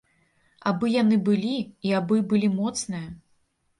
Абы яны былі і абы былі моцныя.